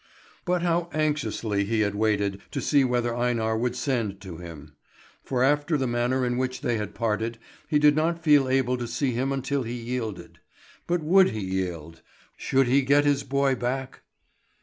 But how anxiously he had waited to see whether Einar would send to him; for after the manner in which they had parted, he did not feel able to see him until he yielded. But would he yield? Should he get his boy back?